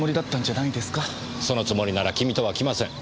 そのつもりなら君とは来ません。